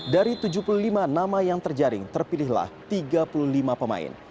dari tujuh puluh lima nama yang terjaring terpilihlah tiga puluh lima pemain